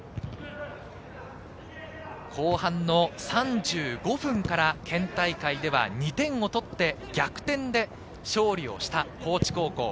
後半の３５分から県大会では２点を取って逆転で勝利をした高知高校。